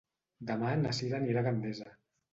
Demà na Sira anirà a Gandesa.